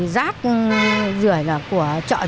rác rửa là của chợ chủ